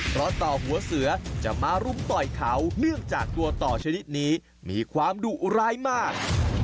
เพราะต่อหัวเสือจะมารุมต่อยเขาเนื่องจากตัวต่อชนิดนี้มีความดุร้ายมาก